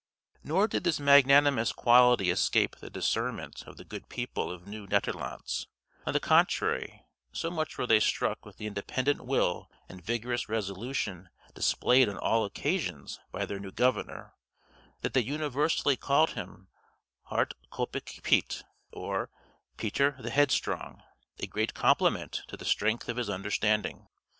Nor did this magnanimous quality escape the discernment of the good people of Nieuw Nederlandts; on the contrary, so much were they struck with the independent will and vigorous resolution displayed on all occasions by their new governor, that they universally called him Hard Koppig Piet, or Peter the Headstrong, a great compliment to the strength of his understanding.